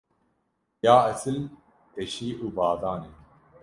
Ya esil teşî û badan e.